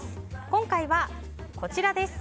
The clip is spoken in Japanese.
今回は、こちらです。